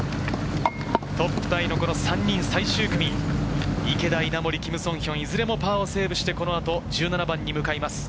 トップタイの３人、最終組、池田、稲森、キム・ソンヒョン、いずれもパーをセーブして、この後、１７番に向かいます。